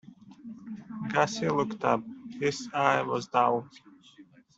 Gussie looked up. His eye was dull.